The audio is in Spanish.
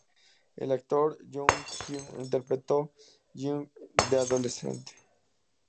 El actor Jo Seung-hyun interpretó a Hwi-kyung de adolescente.